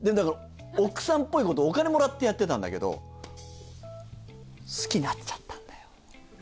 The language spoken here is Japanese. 奥さんっぽいことをお金もらってやってたんだけど好きになっちゃったんだよ。